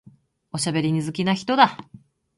おしゃべり好きな人だ。